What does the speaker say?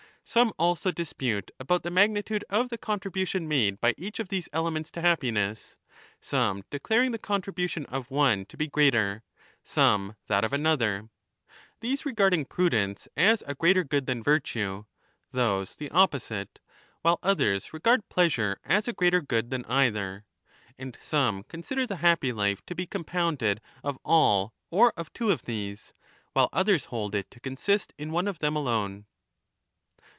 Some also dispute about the magnitude of the contribution made by each of these elements to happiness, some declaring the contribution of one to be greater, some that of another, — these regarding prudence as a greater good than yir^ji e. those the opposite, while others regard . p leasure as a greater good than either : and some consider the happy life to be compounded of all or of two of these, 5 while others hold it to consist in one of them alone.